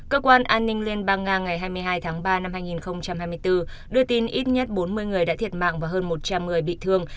cơ quan an ninh liên bang nga ngày hai mươi hai tháng ba năm hai nghìn hai mươi bốn đưa tin ít nhất bốn mươi người đã thiệt mạng và hơn một trăm linh người bị thương